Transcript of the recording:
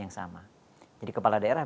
yang sama jadi kepala daerah